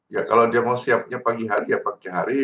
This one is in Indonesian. ya kalau dia mau siapnya pagi hari ya pagi hari